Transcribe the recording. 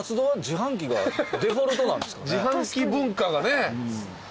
自販機文化がね。